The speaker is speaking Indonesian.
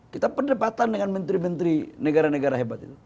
kita perdebatan dengan menteri menteri negara negara hebat itu